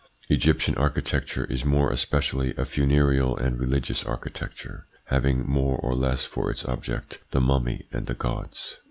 Egyptian architecture is more especially a funereal and religious architecture, having more or less for its object the mummy and the Gods.